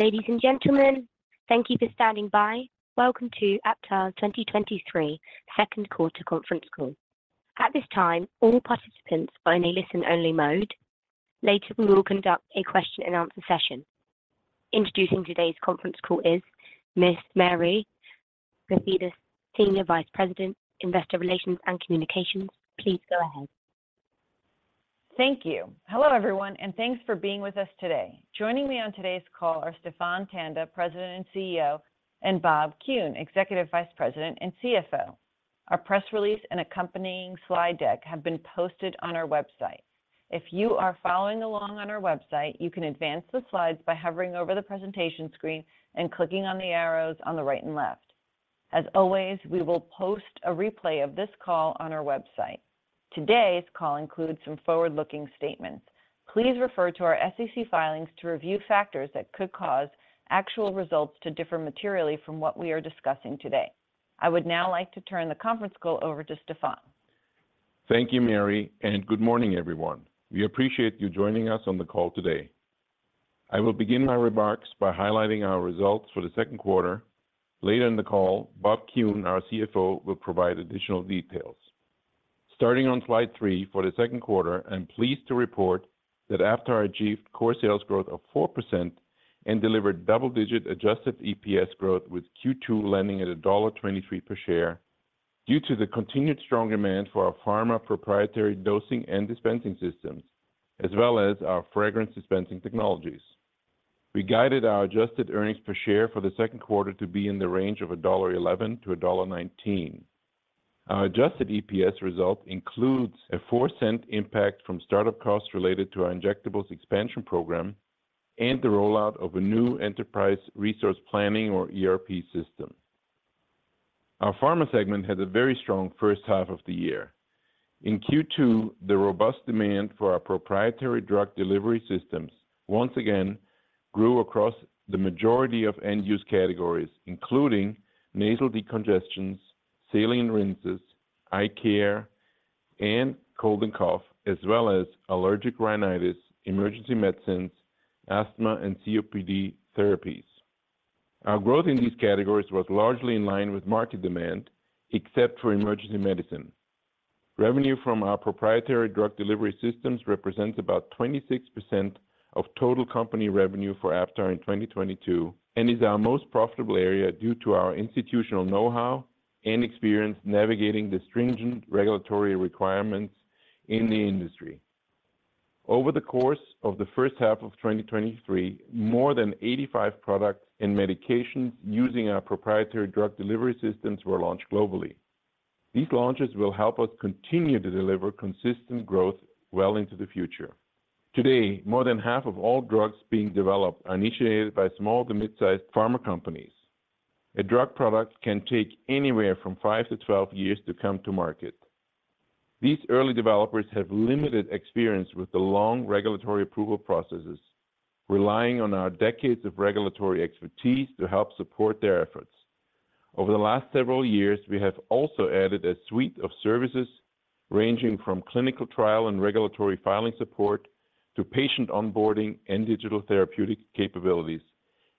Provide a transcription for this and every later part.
Ladies and gentlemen, thank you for standing by. Welcome to Aptar's 2023 second quarter conference call. At this time, all participants are in a listen-only mode. Later, we will conduct a question-and-answer session. Introducing today's conference call is Miss Mary Skafidas, Senior Vice President, Investor Relations and Communications. Please go ahead. Thank you. Hello, everyone, and thanks for being with us today. Joining me on today's call are Stephan Tanda, President and CEO, and Bob Kuhn, Executive Vice President and CFO. Our press release and accompanying slide deck have been posted on our website. If you are following along on our website, you can advance the slides by hovering over the presentation screen and clicking on the arrows on the right and left. As always, we will post a replay of this call on our website. Today's call includes some forward-looking statements. Please refer to our SEC filings to review factors that could cause actual results to differ materially from what we are discussing today. I would now like to turn the conference call over to Stephan. Thank you, Mary, and good morning, everyone. We appreciate you joining us on the call today. I will begin my remarks by highlighting our results for the second quarter. Later in the call, Bob Kuhn, our CFO, will provide additional details. Starting on slide 3, for the second quarter, I'm pleased to report that Aptar achieved core sales growth of 4% and delivered double-digit adjusted EPS growth, with Q2 landing at $1.23 per share, due to the continued strong demand for our Pharma proprietary dosing and dispensing systems, as well as our fragrance dispensing technologies. We guided our adjusted earnings per share for the second quarter to be in the range of $1.11-$1.19. Our adjusted EPS result includes a $0.04 impact from startup costs related to our injectables expansion program and the rollout of a new enterprise resource planning or ERP system. Our Pharma segment had a very strong first half of the year. In Q2, the robust demand for our proprietary drug delivery systems once again grew across the majority of end-use categories, including nasal decongestants, saline rinses, eye care, and cold and cough, as well as allergic rhinitis, emergency medicines, asthma, and COPD therapies. Our growth in these categories was largely in line with market demand, except for emergency medicine. Revenue from our proprietary drug delivery systems represents about 26% of total company revenue for Aptar in 2022 and is our most profitable area due to our institutional know-how and experience navigating the stringent regulatory requirements in the industry. Over the course of the first half of 2023, more than 85 products and medications using our proprietary drug delivery systems were launched globally. These launches will help us continue to deliver consistent growth well into the future. Today, more than half of all drugs being developed are initiated by small to mid-sized pharma companies. A drug product can take anywhere from 5 to 12 years to come to market. These early developers have limited experience with the long regulatory approval processes, relying on our decades of regulatory expertise to help support their efforts. Over the last several years, we have also added a suite of services, ranging from clinical trial and regulatory filing support to patient onboarding and digital therapeutic capabilities,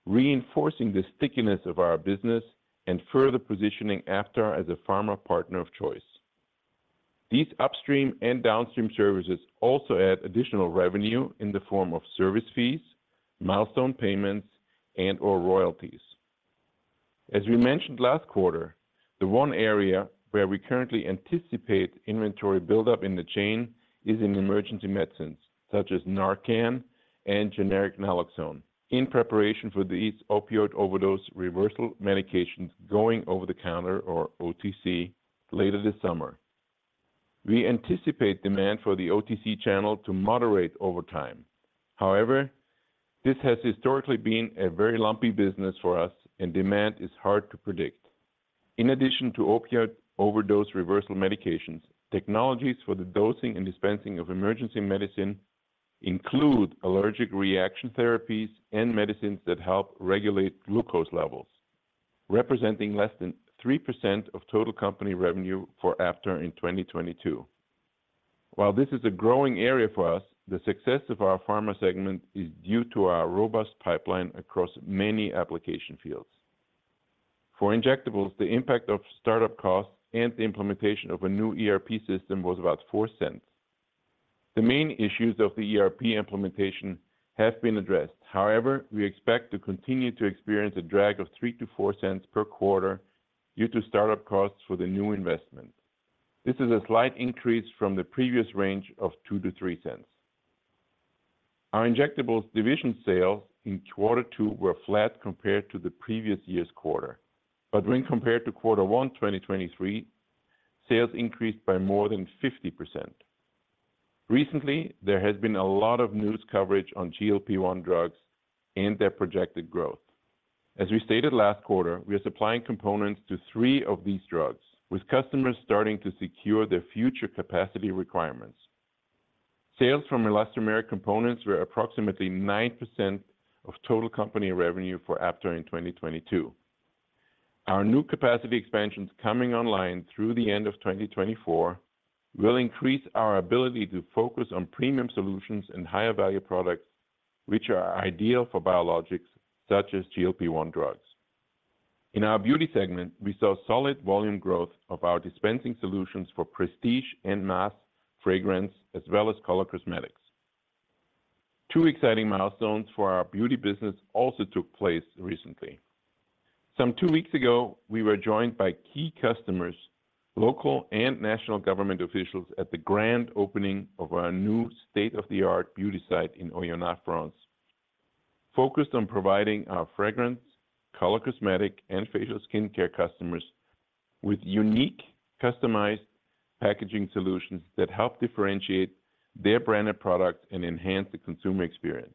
reinforcing the stickiness of our business and further positioning Aptar as a pharma partner of choice. These upstream and downstream services also add additional revenue in the form of service fees, milestone payments, and/or royalties. As we mentioned last quarter, the one area where we currently anticipate inventory buildup in the chain is in emergency medicines such as Narcan and generic naloxone, in preparation for these opioid overdose reversal medications going over the counter or OTC later this summer. We anticipate demand for the OTC channel to moderate over time. However, this has historically been a very lumpy business for us, and demand is hard to predict. In addition to opioid overdose reversal medications, technologies for the dosing and dispensing of emergency medicine include allergic reaction therapies and medicines that help regulate glucose levels, representing less than 3% of total company revenue for Aptar in 2022. While this is a growing area for us, the success of our Pharma segment is due to our robust pipeline across many application fields. For injectables, the impact of startup costs and the implementation of a new ERP system was about $0.04. The main issues of the ERP implementation have been addressed. We expect to continue to experience a drag of $0.03-$0.04 per quarter due to startup costs for the new investment. This is a slight increase from the previous range of $0.02-$0.03. Our injectables division sales in quarter two were flat compared to the previous year's quarter. When compared to quarter one 2023, sales increased by more than 50%. Recently, there has been a lot of news coverage on GLP-1 drugs and their projected growth. As we stated last quarter, we are supplying components to three of these drugs, with customers starting to secure their future capacity requirements. Sales from elastomeric components were approximately 9% of total company revenue for Aptar in 2022. Our new capacity expansions coming online through the end of 2024 will increase our ability to focus on premium solutions and higher value products, which are ideal for biologics such as GLP-1 drugs. In our Beauty segment, we saw solid volume growth of our dispensing solutions for prestige and mass fragrance, as well as color cosmetics. Two exciting milestones for our Beauty business also took place recently. Some two weeks ago, we were joined by key customers, local and national government officials at the grand opening of our new state-of-the-art beauty site in Oyonnax, France. Focused on providing our fragrance, color cosmetic, and facial skincare customers with unique, customized packaging solutions that help differentiate their branded products and enhance the consumer experience.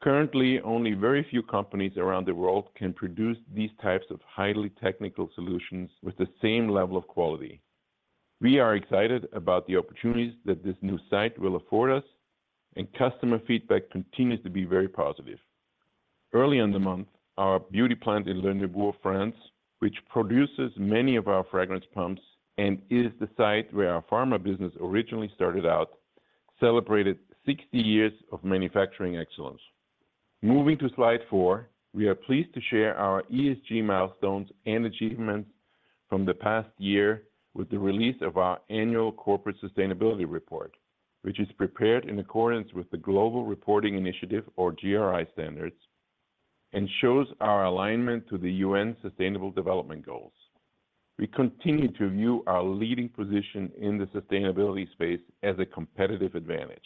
Currently, only very few companies around the world can produce these types of highly technical solutions with the same level of quality. We are excited about the opportunities that this new site will afford us, and customer feedback continues to be very positive. Early in the month, our beauty plant in Le Neubourg, France, which produces many of our fragrance pumps and is the site where our Pharma business originally started out, celebrated 60 years of manufacturing excellence. Moving to slide 4, we are pleased to share our ESG milestones and achievements from the past year with the release of our annual corporate sustainability report, which is prepared in accordance with the Global Reporting Initiative or GRI standards, and shows our alignment to the UN Sustainable Development Goals. We continue to view our leading position in the sustainability space as a competitive advantage.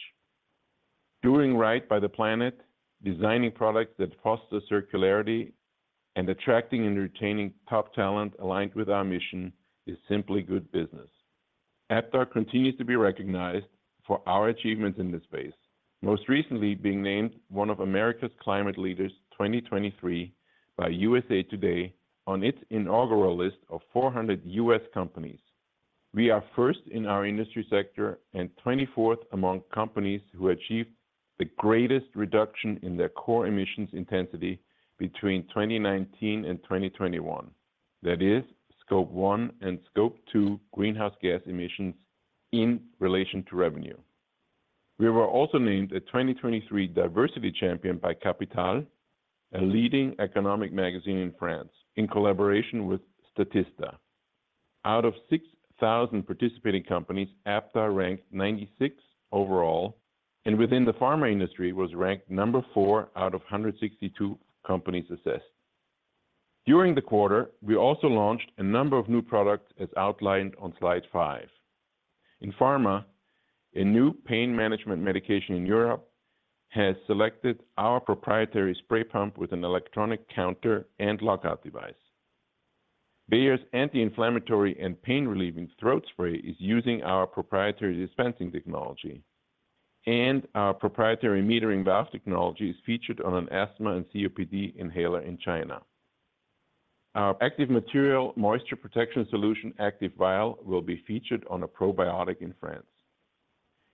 Doing right by the planet, designing products that foster circularity, and attracting and retaining top talent aligned with our mission is simply good business. Aptar continues to be recognized for our achievements in this space. Most recently, being named one of America's Climate Leaders 2023 by USA Today on its inaugural list of 400 U.S. companies. We are first in our industry sector and 24th among companies who achieved the greatest reduction in their core emissions intensity between 2019 and 2021. That is Scope 1 and Scope 2 greenhouse gas emissions in relation to revenue. We were also named a 2023 diversity champion by Capital, a leading economic magazine in France, in collaboration with Statista. Out of 6,000 participating companies, Aptar ranked 96 overall, and within the Pharma industry, was ranked number 4 out of 162 companies assessed. During the quarter, we also launched a number of new products, as outlined on slide 5. In Pharma, a new pain management medication in Europe has selected our proprietary spray pump with an electronic counter and lockout device. Bayer's anti-inflammatory and pain-relieving throat spray is using our proprietary dispensing technology, and our proprietary metering valve technology is featured on an asthma and COPD inhaler in China. Our active material moisture protection solution, Activ-Vial, will be featured on a probiotic in France.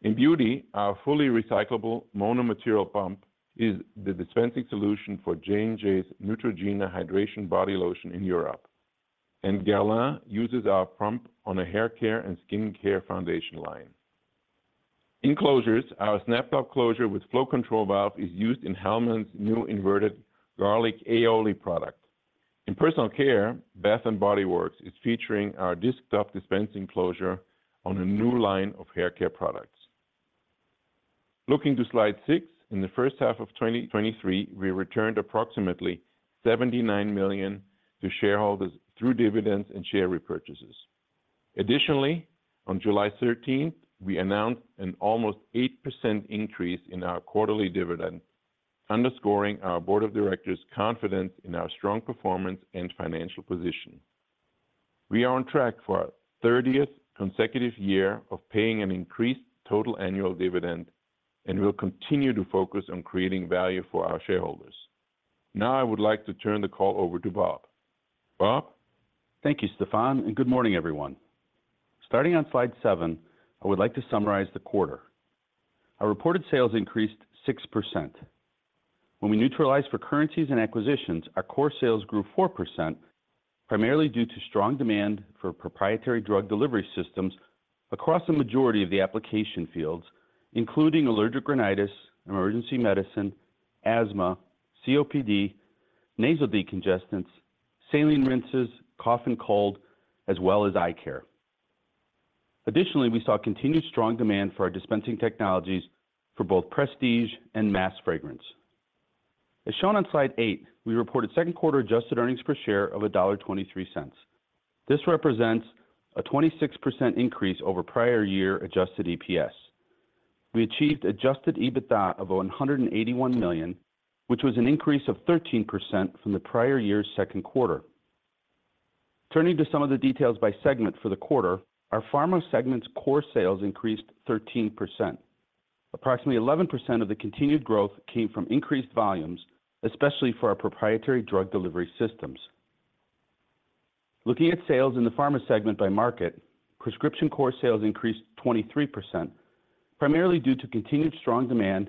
In beauty, our fully recyclable mono-material pump is the dispensing solution for J&J's Neutrogena hydration body lotion in Europe, and Guerlain uses our pump on a haircare and skincare foundation line. In closures, our snap top closure with flow control valve is used in Hellmann's new inverted garlic aioli product. In personal care, Bath & Body Works is featuring our disc top dispensing closure on a new line of haircare products. Looking to slide 6, in the first half of 2023, we returned approximately $79 million to shareholders through dividends and share repurchases. Additionally, on July 13th, we announced an almost 8% increase in our quarterly dividend, underscoring our board of directors' confidence in our strong performance and financial position. We are on track for our 30th consecutive year of paying an increased total annual dividend, and we'll continue to focus on creating value for our shareholders. Now, I would like to turn the call over to Bob. Bob? Thank you, Stephan. Good morning, everyone. Starting on slide 7, I would like to summarize the quarter. Our reported sales increased 6%. When we neutralize for currencies and acquisitions, our core sales grew 4%, primarily due to strong demand for proprietary drug delivery systems across the majority of the application fields, including allergic rhinitis, emergency medicine, asthma, COPD, nasal decongestants, saline rinses, cough and cold, as well as eye care. Additionally, we saw continued strong demand for our dispensing technologies for both prestige and mass fragrance. As shown on slide 8, we reported second quarter adjusted earnings per share of $1.23. This represents a 26% increase over prior year adjusted EPS. We achieved adjusted EBITDA of $181 million, which was an increase of 13% from the prior year's second quarter. Turning to some of the details by segment for the quarter, our Pharma segment's core sales increased 13%. Approximately 11% of the continued growth came from increased volumes, especially for our proprietary drug delivery systems. Looking at sales in the Pharma segment by market, prescription core sales increased 23%, primarily due to continued strong demand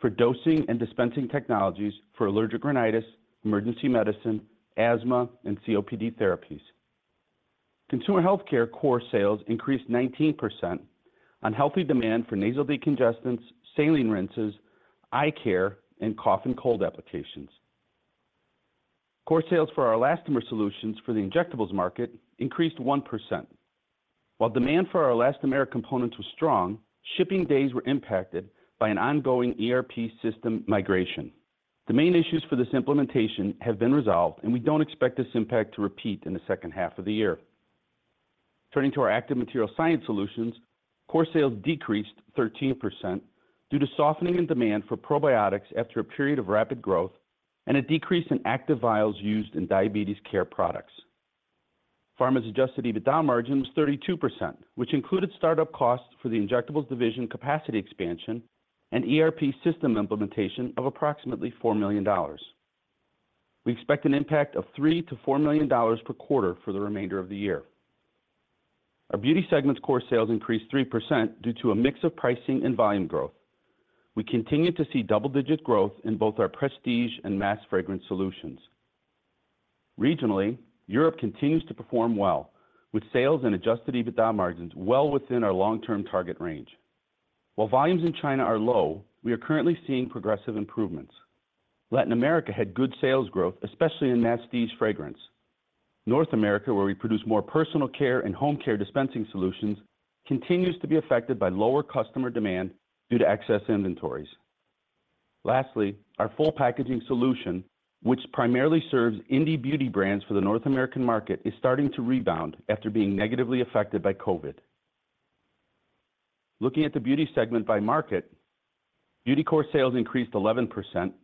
for dosing and dispensing technologies for allergic rhinitis, emergency medicine, asthma, and COPD therapies. Consumer healthcare core sales increased 19% on healthy demand for nasal decongestants, saline rinses, eye care, and cough and cold applications. Core sales for our elastomer solutions for the injectables market increased 1%. While demand for our elastomer components was strong, shipping days were impacted by an ongoing ERP system migration. The main issues for this implementation have been resolved, and we don't expect this impact to repeat in the second half of the year. Turning to our active material science solutions, core sales decreased 13% due to softening in demand for probiotics after a period of rapid growth and a decrease in active vials used in diabetes care products. Pharma's adjusted EBITDA margin was 32%, which included startup costs for the injectables division capacity expansion and ERP system implementation of approximately $4 million. We expect an impact of $3 million-$4 million per quarter for the remainder of the year. Our Beauty segment's core sales increased 3% due to a mix of pricing and volume growth. We continue to see double-digit growth in both our prestige and mass fragrance solutions. Regionally, Europe continues to perform well, with sales and adjusted EBITDA margins well within our long-term target range. While volumes in China are low, we are currently seeing progressive improvements. Latin America had good sales growth, especially in prestige fragrance. North America, where we produce more personal care and home care dispensing solutions, continues to be affected by lower customer demand due to excess inventories. Lastly, our full packaging solution, which primarily serves indie beauty brands for the North American market, is starting to rebound after being negatively affected by COVID. Looking at the Beauty segment by market, beauty core sales increased 11%,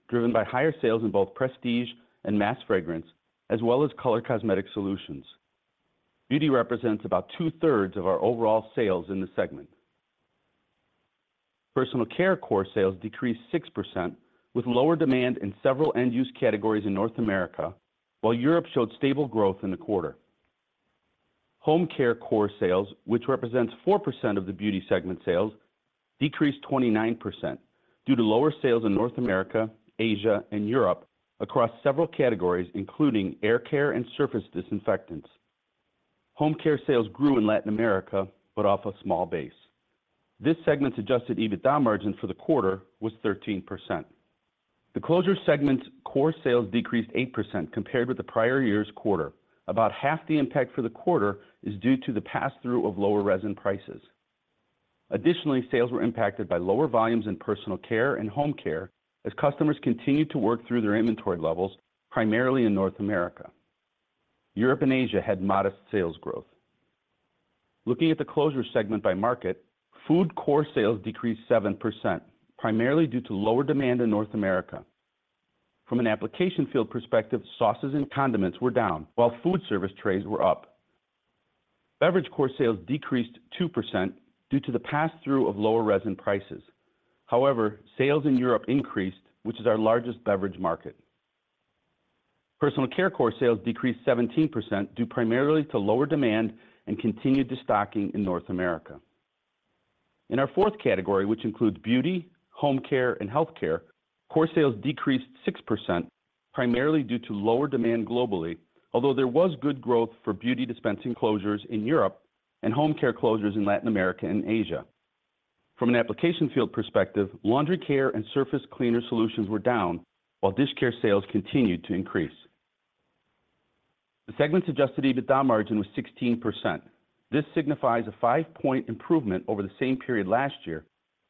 driven by higher sales in both prestige and mass fragrance, as well as color cosmetic solutions. Beauty represents about two-thirds of our overall sales in the segment. Personal care core sales decreased 6%, with lower demand in several end-use categories in North America, while Europe showed stable growth in the quarter. Home care core sales, which represents 4% of the Beauty segment sales, decreased 29% due to lower sales in North America, Asia, and Europe across several categories, including air care and surface disinfectants. Home care sales grew in Latin America, off a small base. This segment's adjusted EBITDA margin for the quarter was 13%. The Closures segment's core sales decreased 8% compared with the prior year's quarter. About half the impact for the quarter is due to the pass-through of lower resin prices. Additionally, sales were impacted by lower volumes in Personal care and home care as customers continued to work through their inventory levels, primarily in North America. Europe and Asia had modest sales growth. Looking at the Closures segment by market, food core sales decreased 7%, primarily due to lower demand in North America. From an application field perspective, sauces and condiments were down, while food service trays were up. Beverage core sales decreased 2% due to the pass-through of lower resin prices. Sales in Europe increased, which is our largest beverage market. Personal care core sales decreased 17% due primarily to lower demand and continued destocking in North America. In our fourth category, which includes beauty, home care, and healthcare, core sales decreased 6% primarily due to lower demand globally, although there was good growth for beauty dispensing closures in Europe and home care closures in Latin America and Asia. From an application field perspective, laundry care and surface cleaner solutions were down, while dish care sales continued to increase. The segment's adjusted EBITDA margin was 16%. This signifies a 5-point improvement over the same period last year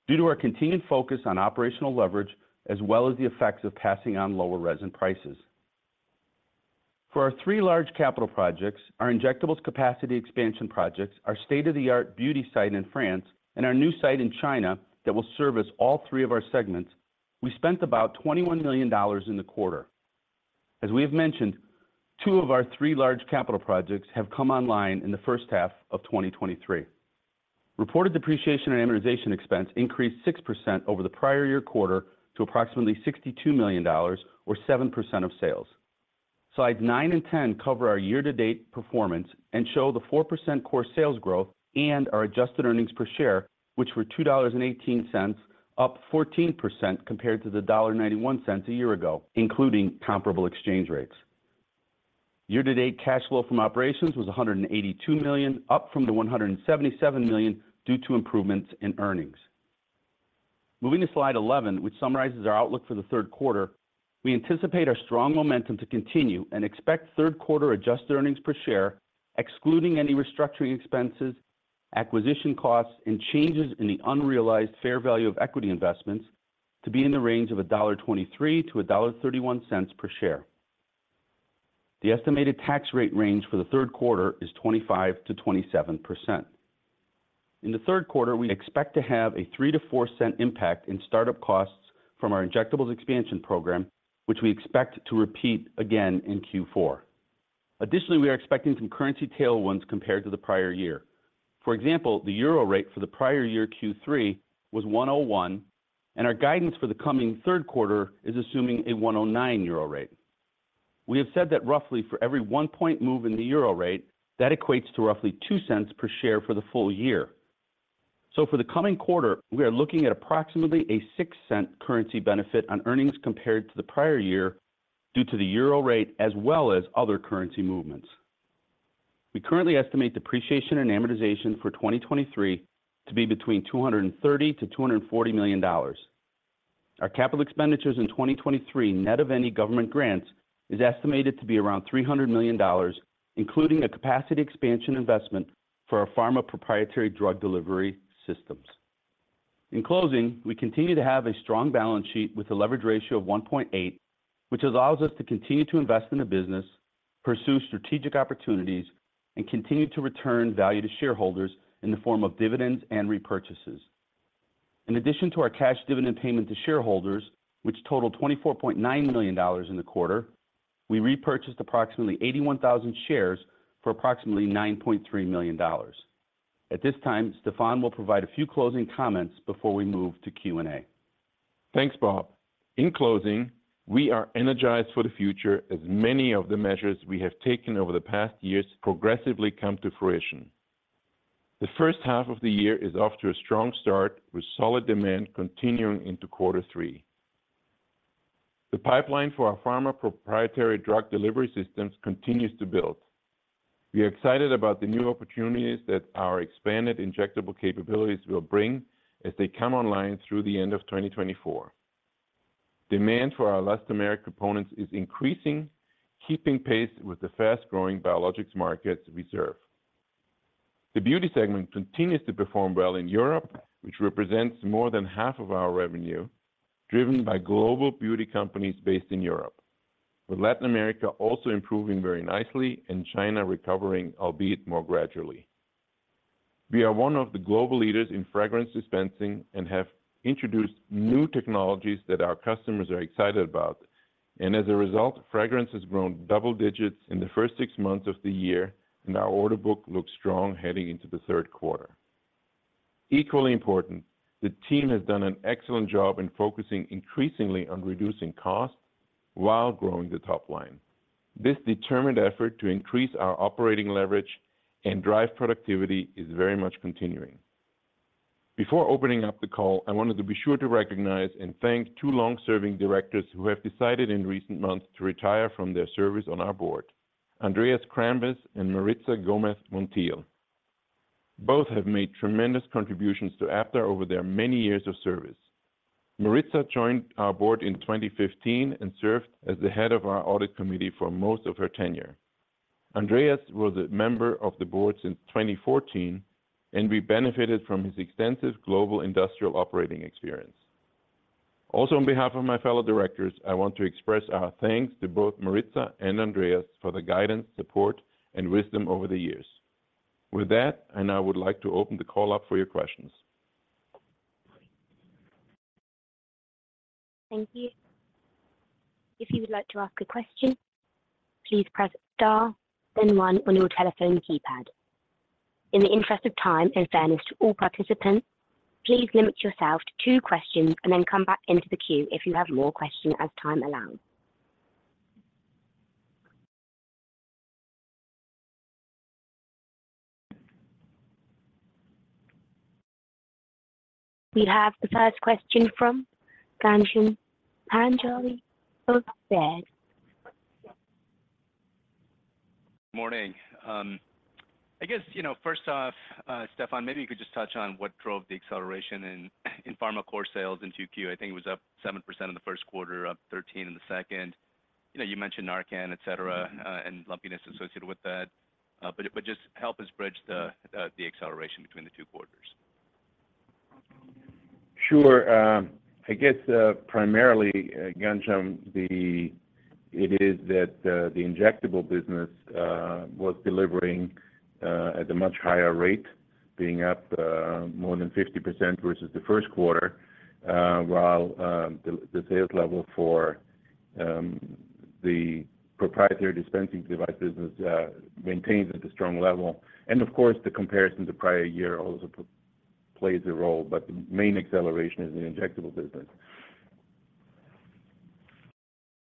due to our continued focus on operational leverage, as well as the effects of passing on lower resin prices. For our three large capital projects, our injectables capacity expansion projects, our state-of-the-art beauty site in France, and our new site in China that will service all three of our segments, we spent about $21 million in the quarter. As we have mentioned, two of our three large capital projects have come online in the first half of 2023. Reported depreciation and amortization expense increased 6% over the prior year quarter to approximately $62 million or 7% of sales. Slides 9 and 10 cover our year-to-date performance and show the 4% core sales growth and our adjusted earnings per share, which were $2.18, up 14% compared to the $1.91 a year ago, including comparable exchange rates. Year-to-date cash flow from operations was $182 million, up from the $177 million due to improvements in earnings. Moving to slide 11, which summarizes our outlook for the third quarter, we anticipate our strong momentum to continue and expect third quarter adjusted earnings per share, excluding any restructuring expenses, acquisition costs, and changes in the unrealized fair value of equity investments to be in the range of $1.23-$1.31 per share. The estimated tax rate range for the third quarter is 25%-27%. In the third quarter, we expect to have a $0.03-$0.04 impact in startup costs from our injectables expansion program, which we expect to repeat again in Q4. We are expecting some currency tailwinds compared to the prior year. For example, the euro rate for the prior year Q3 was 101, and our guidance for the coming third quarter is assuming a 109 euro rate. We have said that roughly for every 1 point move in the euro rate, that equates to roughly $0.02 per share for the full year. For the coming quarter, we are looking at approximately a $0.06 currency benefit on earnings compared to the prior year, due to the euro rate as well as other currency movements. We currently estimate depreciation and amortization for 2023 to be between $230 million and $240 million. Our capital expenditures in 2023, net of any government grants, is estimated to be around $300 million, including a capacity expansion investment for our Pharma proprietary drug delivery systems. In closing, we continue to have a strong balance sheet with a leverage ratio of 1.8, which allows us to continue to invest in the business, pursue strategic opportunities, and continue to return value to shareholders in the form of dividends and repurchases. In addition to our cash dividend payment to shareholders, which totaled $24.9 million in the quarter, we repurchased approximately 81,000 shares for approximately $9.3 million. At this time, Stephan will provide a few closing comments before we move to Q&A. Thanks, Bob. In closing, we are energized for the future as many of the measures we have taken over the past years progressively come to fruition. The first half of the year is off to a strong start, with solid demand continuing into quarter three. The pipeline for our Pharma proprietary drug delivery systems continues to build. We are excited about the new opportunities that our expanded injectable capabilities will bring as they come online through the end of 2024. Demand for our elastomeric components is increasing, keeping pace with the fast-growing biologics markets we serve. The Beauty segment continues to perform well in Europe, which represents more than half of our revenue, driven by global beauty companies based in Europe, with Latin America also improving very nicely and China recovering, albeit more gradually. We are one of the global leaders in fragrance dispensing and have introduced new technologies that our customers are excited about. As a result, fragrance has grown double digits in the first six months of the year. Our order book looks strong heading into the third quarter. Equally important, the team has done an excellent job in focusing increasingly on reducing costs while growing the top line. This determined effort to increase our operating leverage and drive productivity is very much continuing. Before opening up the call, I wanted to be sure to recognize and thank two long-serving directors who have decided in recent months to retire from their service on our board, Andreas Kramvis and Maritza Gomez Montiel. Both have made tremendous contributions to Aptar over their many years of service. Maritza joined our board in 2015 and served as the head of our audit committee for most of her tenure. Andreas was a member of the board since 2014, and we benefited from his extensive global industrial operating experience. On behalf of my fellow directors, I want to express our thanks to both Maritza and Andreas for the guidance, support, and wisdom over the years. With that, I now would like to open the call up for your questions. Thank you. If you would like to ask a question, please press star, then one on your telephone keypad. In the interest of time and fairness to all participants, please limit yourself to two questions and then come back into the queue if you have more questions, as time allows. We have the 1st question from Ghansham Panjabi of Baird. Morning. I guess, you know, first off, Stephan, maybe you could just touch on what drove the acceleration in Pharma core sales in 2Q? I think it was up 7% in the first quarter, up 13 in the second. You know, you mentioned Narcan, et cetera, and lumpiness associated with that. Just help us bridge the acceleration between the two quarters? Sure. I guess primarily Ghansham, it is that the Injectable business was delivering at a much higher rate, being up more than 50% versus the first quarter, while the sales level for the proprietary dispensing device business maintains at a strong level. Of course, the comparison to prior year also plays a role, but the main acceleration is the Injectable business.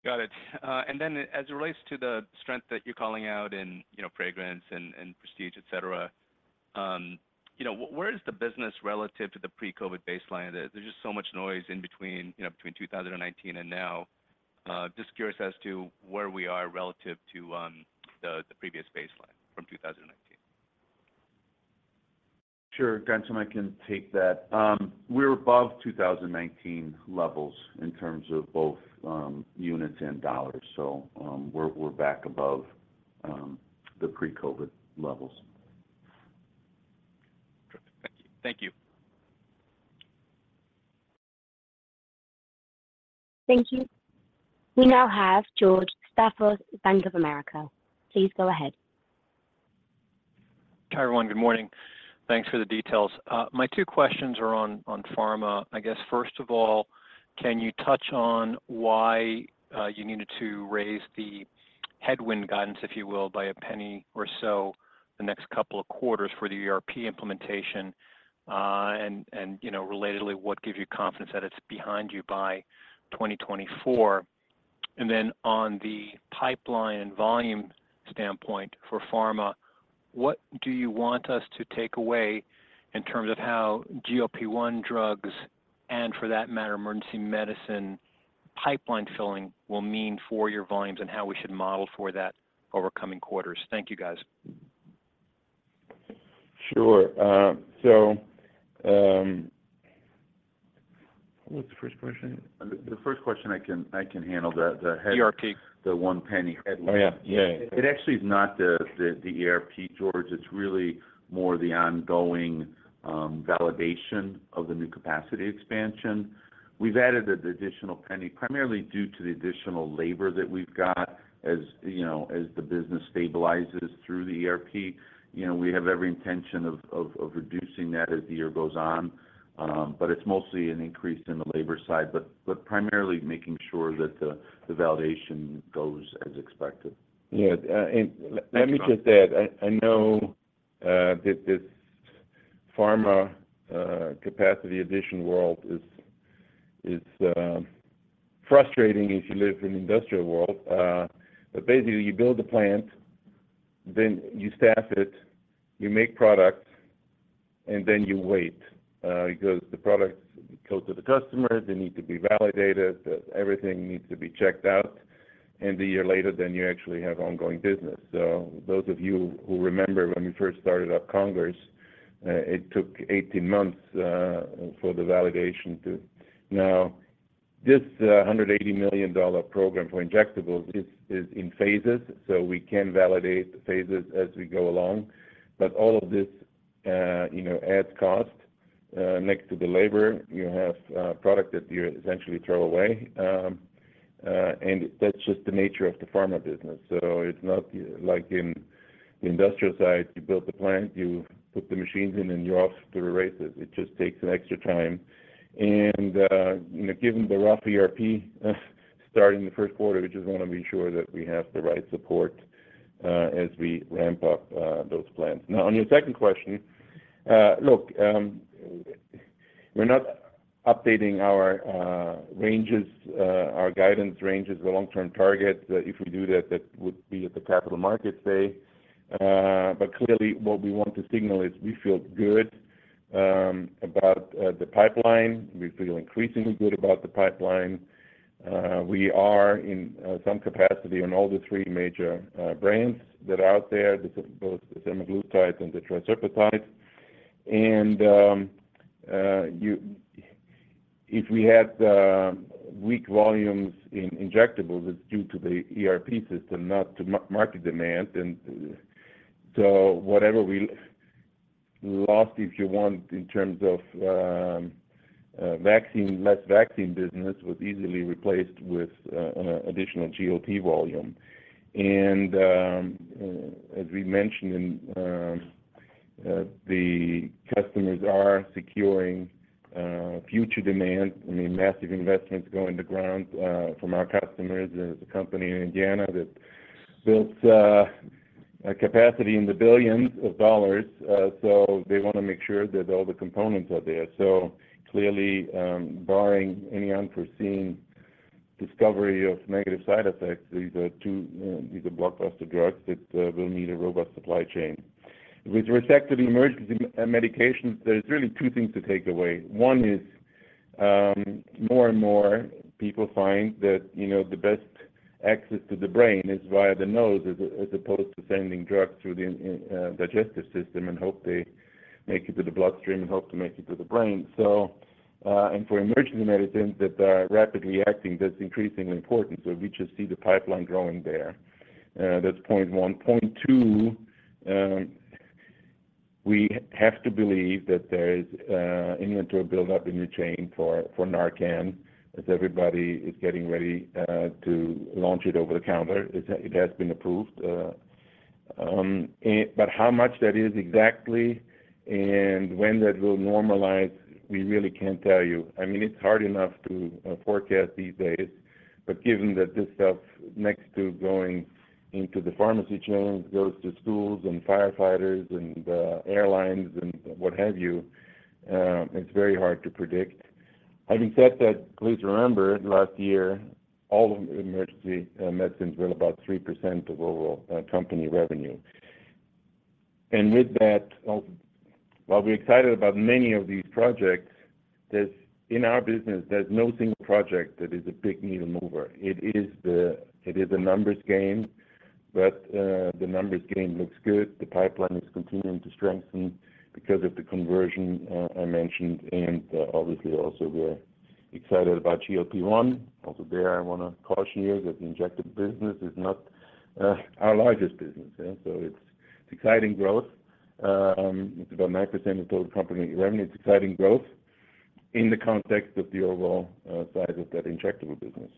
Got it. And then as it relates to the strength that you're calling out in, you know, fragrance and, and prestige, et cetera, you know, where is the business relative to the pre-COVID baseline? There's just so much noise in between, you know, between 2019 and now. Just curious as to where we are relative to the previous baseline from 2019. Sure, Ghansham, I can take that. We're above 2019 levels in terms of both units and dollars. We're, we're back above the pre-COVID levels. Thank you. Thank you. Thank you. We now have George Staphos, Bank of America. Please go ahead. Hi, everyone. Good morning. Thanks for the details. My two questions are on, on pharma. I guess, first of all, can you touch on why you needed to raise the headwind guidance, if you will, by $0.01 or so, the next couple of quarters for the ERP implementation, and, and, you know, relatedly, what gives you confidence that it's behind you by 2024? On the pipeline and volume standpoint for pharma, what do you want us to take away in terms of how GLP-1 drugs and for that matter, emergency medicine pipeline filling will mean for your volumes and how we should model for that over coming quarters? Thank you, guys. Sure, what's the first question? The first question I can, I can handle. ERP. The $0.01 headline. Oh, yeah. Yeah. It actually is not the, the, the ERP, George. It's really more the ongoing validation of the new capacity expansion. We've added an additional $0.01, primarily due to the additional labor that we've got. As you know, as the business stabilizes through the ERP, you know, we have every intention of reducing that as the year goes on, but it's mostly an increase in the labor side, but primarily making sure that the, the validation goes as expected. Yeah, let me just add, I, I know that this Pharma capacity addition world is, is frustrating if you live in an industrial world. Basically, you build the plant, then you staff it, you make product, and then you wait, because the products go to the customer, they need to be validated, everything needs to be checked out, and a year later, then you actually have ongoing business. Those of you who remember when we first started up Congress, it took 18 months for the validation to... Now, this $180 million program for injectables is, is in phases, so we can validate the phases as we go along. All of this, you know, adds cost, next to the labor, you have product that you essentially throw away, and that's just the nature of the Pharma business. It's not like in the industrial side, you build the plant, you put the machines in, and you're off to the races. It just takes an extra time. You know, given the rough ERP, starting the first quarter, we just wanna make sure that we have the right support, as we ramp up those plans. Now, on your second question, look, we're not updating our ranges, our guidance ranges, the long-term target, that if we do that, that would be at the capital markets day. Clearly, what we want to signal is we feel good about the pipeline. We feel increasingly good about the pipeline. We are in some capacity on all the 3 major brands that are out there, both the semaglutide and the tirzepatide. If we had weak volumes in injectables, it's due to the ERP system, not to market demand. Whatever we lost, if you want, in terms of vaccine, less vaccine business, was easily replaced with an additional GLP volume. As we mentioned, the customers are securing future demand. I mean, massive investments go in the ground from our customers. There's a company in Indiana that builds a capacity in the billions of dollars, so they wanna make sure that all the components are there. Clearly, barring any unforeseen discovery of negative side effects, these are two, these are blockbuster drugs that will need a robust supply chain. With respect to the emergency medications, there's really two things to take away. One is, more and more people find that, you know, the best access to the brain is via the nose, as opposed to sending drugs through the digestive system and hope they make it to the bloodstream and hope to make it to the brain. For emergency medicines that are rapidly acting, that's increasingly important. We just see the pipeline growing there. That's point one. Point two, we have to believe that there is inventory buildup in the chain for, for Narcan, as everybody is getting ready to launch it over the counter. It has, it has been approved, but how much that is exactly and when that will normalize, we really can't tell you. I mean, it's hard enough to forecast these days, but given that this stuff next to going into the pharmacy chains, goes to schools and firefighters and airlines and what have you, it's very hard to predict. Having said that, please remember, last year, all of emergency medicines were about 3% of overall company revenue. With that, well, while we're excited about many of these projects, there's, in our business, there's no single project that is a big needle mover. It is a numbers game, but the numbers game looks good. The pipeline is continuing to strengthen because of the conversion I mentioned, and obviously also we're excited about GLP-1. There, I wanna caution you that the Injectable business is not our largest business. Yeah, it's exciting growth. It's about 9% of total company revenue. It's exciting growth in the context of the overall size of that Injectable business.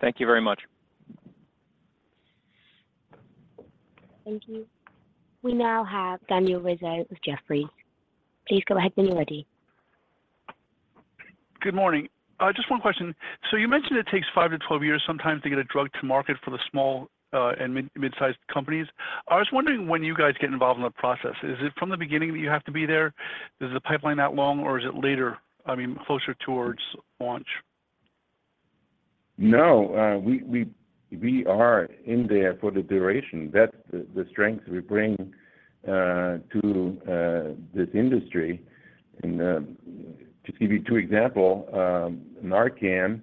Thank you very much. Thank you. We now have Daniel Rizzo with Jefferies. Please go ahead when you're ready. Good morning. Just one question. You mentioned it takes 5 to 12 years sometimes to get a drug to market for the small and mid-sized companies. I was wondering when you guys get involved in the process, is it from the beginning that you have to be there? Is the pipeline that long, or is it later, I mean, closer towards launch? No, we, we, we are in there for the duration. That's the, the strength we bring to this industry. To give you two example, Narcan,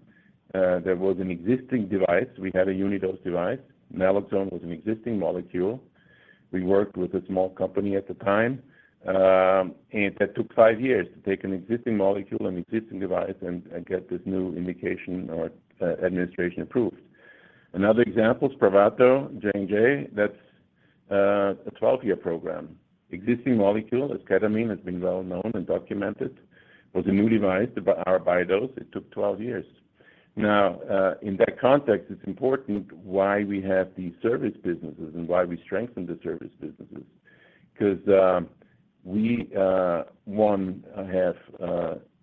there was an existing device. We had a uni-dose device. Naloxone was an existing molecule. We worked with a small company at the time, and that took 5 years to take an existing molecule, an existing device, and get this new indication or a administration approved. Another example, Spravato, J&J, that's a 12-year program. Existing molecule, esketamine, has been well known and documented, was a new device, but our bio dose, it took 12 years. Now, in that context, it's important why we have these service businesses and why we strengthen the service businesses. Because we, one, have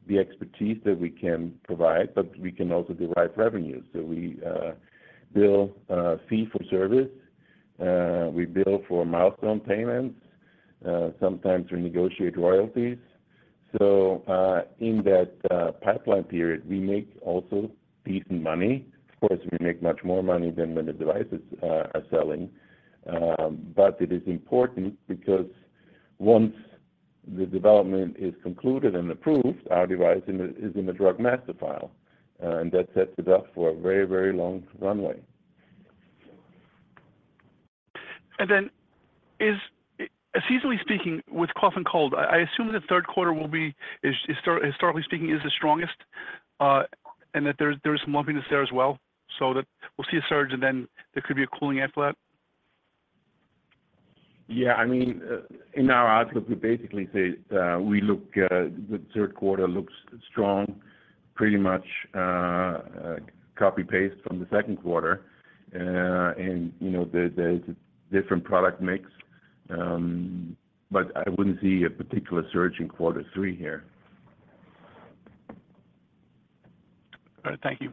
the expertise that we can provide, but we can also derive revenues. We bill fee for service, we bill for milestone payments, sometimes we negotiate royalties. In that pipeline period, we make also decent money. Of course, we make much more money than when the devices are selling, but it is important because once the development is concluded and approved, our device is in the Drug Master File, and that sets it up for a very, very long runway. Then seasonally speaking, with cough and cold, I, I assume the third quarter will be, historically speaking, the strongest, and that there's, there is some lumpiness there as well, so that we'll see a surge and then there could be a cooling after that? Yeah, I mean, in our outlook, we basically say that, we look, the third quarter looks strong, pretty much, copy-paste from the second quarter. You know, there's, there's a different product mix, but I wouldn't see a particular surge in quarter three here. All right. Thank you.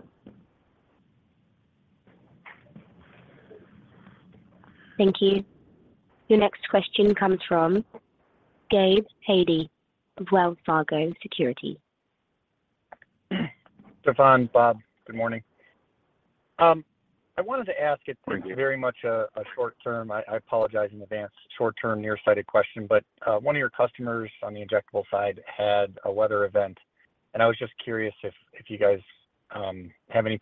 Thank you. Your next question comes from Gabe Hajde of Wells Fargo Securities. Stephan, Bob, good morning. I wanted to ask- Thank you. It very much a, a short term. I, I apologize in advance, short term, nearsighted question, but one of your customers on the injectable side had a weather event, and I was just curious if, if you guys have any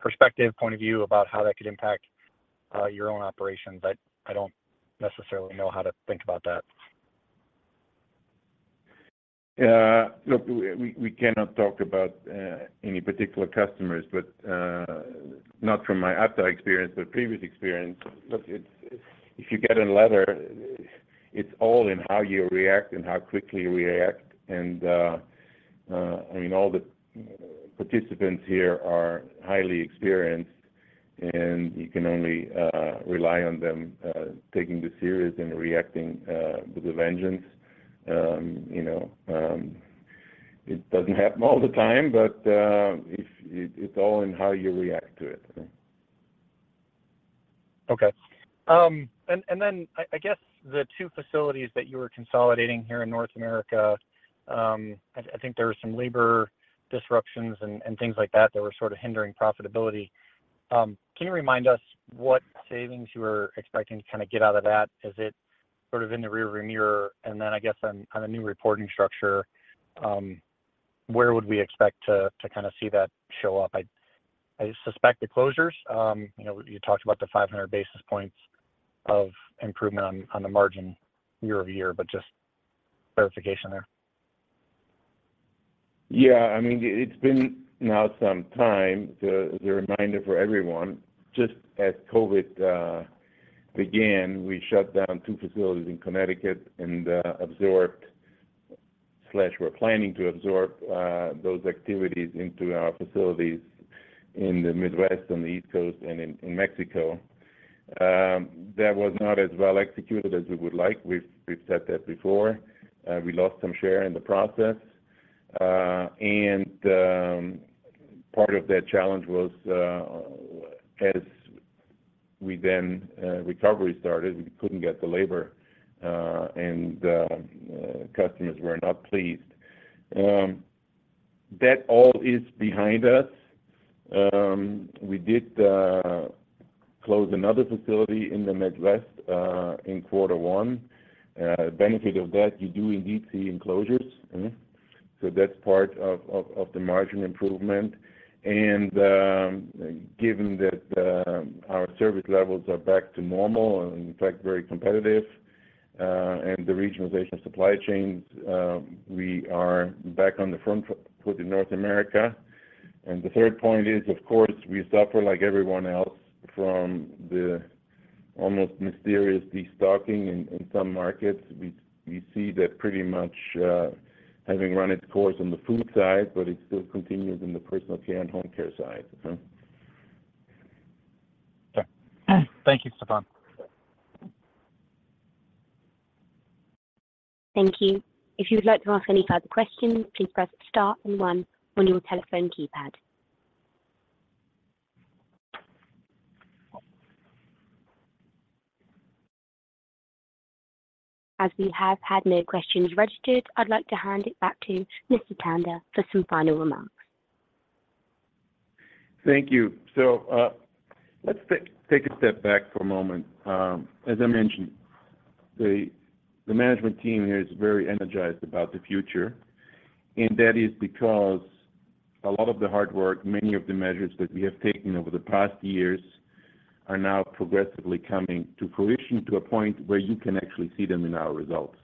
perspective, point of view about how that could impact your own operations, but I don't necessarily know how to think about that. Yeah, look, we, we cannot talk about any particular customers, but not from my Aptar experience, but previous experience, look, it's if you get in leather, it's all in how you react and how quickly you react. I mean, all the participants here are highly experienced, and you can only rely on them taking this serious and reacting with a vengeance. You know, it doesn't happen all the time, but it's, it's all in how you react to it. Okay. Then I, I guess the 2 facilities that you were consolidating here in North America, I, I think there were some labor disruptions and, and things like that, that were sort of hindering profitability. Can you remind us what savings you were expecting to kinda get out of that? Is it sort of in the rearview mirror? Then I guess on, on a new reporting structure, where would we expect to, to kinda see that show up? I, I suspect the closures, you know, you talked about the 500 basis points of improvement on, on the margin year-over-year, but just verification there. Yeah, I mean, it's been now some time to, as a reminder for everyone, just as COVID began, we shut down 2 facilities in Connecticut and absorbed/were planning to absorb those activities into our facilities in the Midwest, on the East Coast and in Mexico. That was not as well executed as we would like. We've said that before. We lost some share in the process, and part of that challenge was as we then recovery started, we couldn't get the labor, and the customers were not pleased. That all is behind us. We did close another facility in the Midwest in Q1. Benefit of that, you do indeed see enclosures. That's part of the margin improvement. Given that our service levels are back to normal and in fact, very competitive, and the regionalization of supply chains, we are back on the front foot in North America. The third point is, of course, we suffer like everyone else from the almost mysterious destocking in some markets. We see that pretty much having run its course on the food side, but it still continues in the personal care and home care side. Okay. Thank you, Stephan. Thank you. If you would like to ask any further questions, please press star and one on your telephone keypad. As we have had no questions registered, I'd like to hand it back to Mr. Tanda for some final remarks. Thank you. Let's take a step back for a moment. As I mentioned, the management team here is very energized about the future, and that is because a lot of the hard work, many of the measures that we have taken over the past years are now progressively coming to fruition to a point where you can actually see them in our results.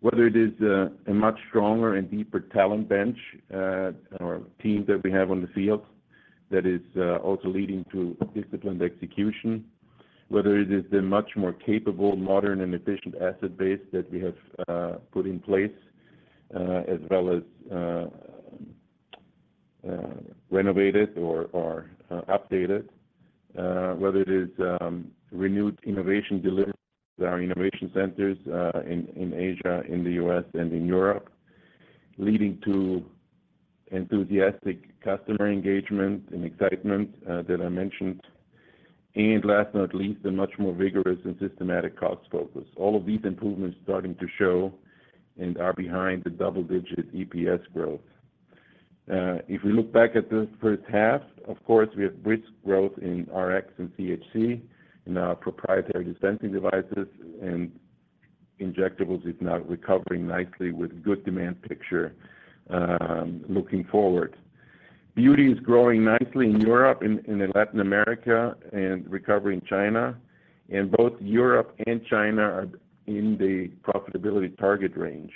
Whether it is a much stronger and deeper talent bench, or team that we have on the field that is also leading to disciplined execution, whether it is a much more capable, modern, and efficient asset base that we have put in place, as well as renovated or updated. Whether it is renewed innovation delivery with our innovation centers in Asia, in the U.S., and in Europe, leading to enthusiastic customer engagement and excitement that I mentioned. Last but not least, a much more vigorous and systematic cost focus. All of these improvements are starting to show and are behind the double-digit EPS growth. If we look back at the first half, of course, we have brisk growth in Rx and CHC, in our proprietary dispensing devices, and injectables is now recovering nicely with good demand picture looking forward. Beauty is growing nicely in Europe and in Latin America, recovery in China, and both Europe and China are in the profitability target range.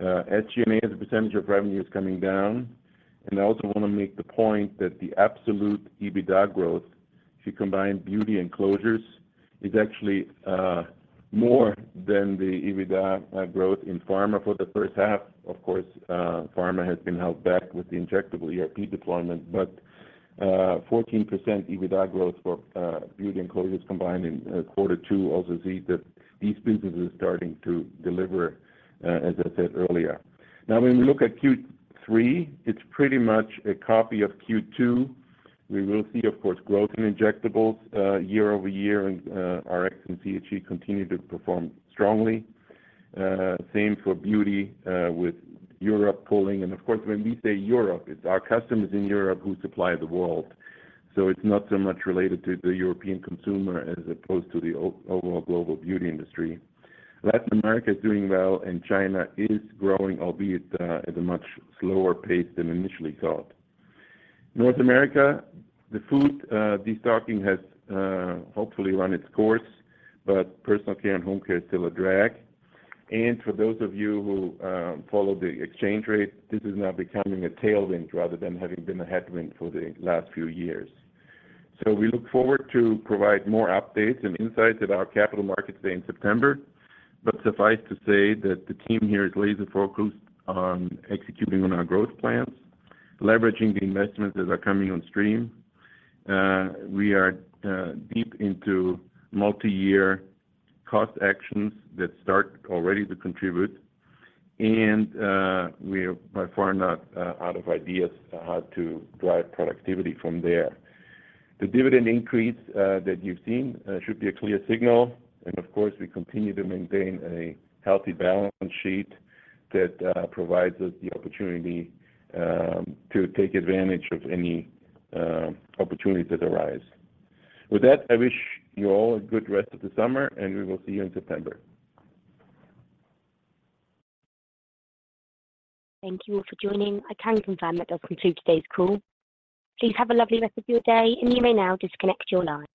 SG&A, as a percentage of revenue, is coming down, and I also want to make the point that the absolute EBITDA growth, if you combine beauty and closures, is actually more than the EBITDA growth in pharma for the first half. Of course, pharma has been held back with the injectable ERP deployment, but 14% EBITDA growth for beauty and closures combined in Q2 also sees that these businesses are starting to deliver, as I said earlier. Now, when we look at Q3, it's pretty much a copy of Q2. We will see, of course, growth in injectables year-over-year, and Rx and CHC continue to perform strongly. Same for beauty, with Europe pulling. Of course, when we say Europe, it's our customers in Europe who supply the world. It's not so much related to the European consumer as opposed to the overall global beauty industry. Latin America is doing well, and China is growing, albeit, at a much slower pace than initially thought. North America, the food destocking has hopefully run its course, but personal care and home care is still a drag. For those of you who follow the exchange rate, this is now becoming a tailwind rather than having been a headwind for the last few years. We look forward to provide more updates and insights at our Capital Markets Day in September. Suffice to say that the team here is laser-focused on executing on our growth plans, leveraging the investments that are coming on stream. We are deep into multiyear cost actions that start already to contribute, and we are by far not out of ideas on how to drive productivity from there. The dividend increase that you've seen should be a clear signal, and of course, we continue to maintain a healthy balance sheet that provides us the opportunity to take advantage of any opportunities that arise. With that, I wish you all a good rest of the summer, and we will see you in September. Thank you all for joining. I can confirm that does conclude today's call. Please have a lovely rest of your day, and you may now disconnect your line.